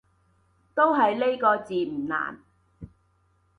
都就係呢個字唔難